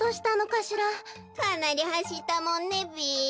かなりはしったもんねべ。